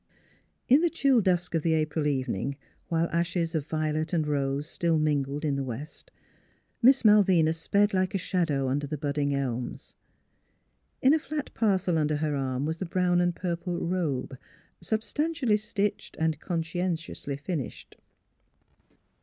In the chill dusk of the April evening, while ashes of violet and rose still mingled in the west, 84 NEIGHBORS Miss Malvina sped like a shadow under the budding elms. In a flat parcel under her arm was the brown and purple " robe," substantially stitched and conscientiously finished.